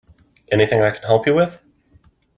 Anything I can help you with?